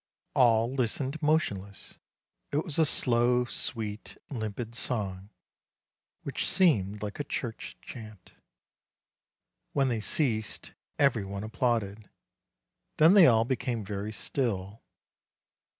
All listened motionless: it was a slow, sweet, limpid song which seemed like a church chant. When they ceased, every one applauded ; then they all became very still.